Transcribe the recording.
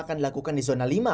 akan dilakukan di zona lima